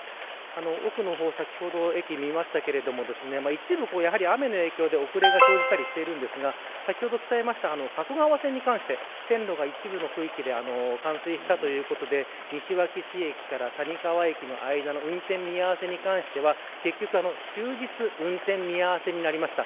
奥の方、先ほど駅を見ましたが一部、雨の影響で遅れが生じたりしていますが先ほど伝えた加古川線に関して線路が一部の区域で冠水したということで西脇市駅から谷川駅の間で運転見合わせに関しては終日運転見合わせになりました。